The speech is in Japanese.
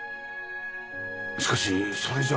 しかしそれじゃあ。